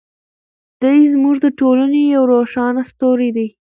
دی زموږ د ټولنې یو روښانه ستوری دی.